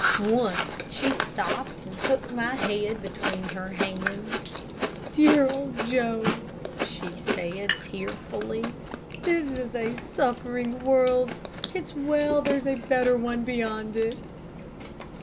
Once she stopped and took my head between her hands, "Dear old Joe," she said, tearfully, "this a suffering world. It's well there's a better one beyond it."